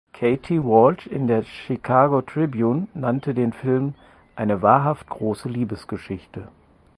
Katie Walsh in der "Chicago Tribune" nannte den Film eine wahrhaft große Liebesgeschichte.